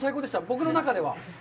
僕の中では。